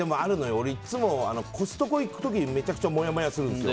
俺、いつもコストコに行く時めちゃくちゃモヤモヤするんですよ。